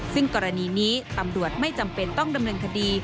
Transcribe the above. ซึ่งกรณีนี้ตำรวจไม่จำเป็นต้องดำเนินคดี